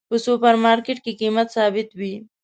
په سوپر مرکیټ کې قیمت ثابته وی